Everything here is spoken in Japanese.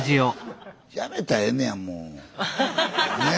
やめたらええねやもう。ねえ？